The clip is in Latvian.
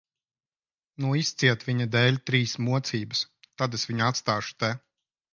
Nu, izciet viņa dēļ trīs mocības, tad es viņu atstāšu te.